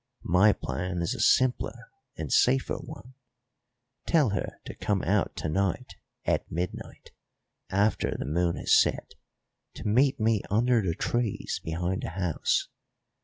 My plan is a simpler and safer one. Tell her to come out to night at midnight, after the moon has set, to meet me under the trees behind the house.